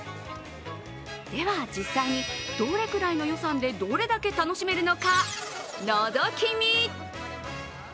では実際にどれぐらいの予算でどれだけ楽しめるのか、のぞき見。